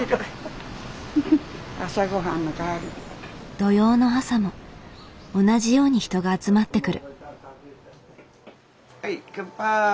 土曜の朝も同じように人が集まってくる。